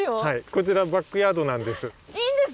こちらバックヤードなんです。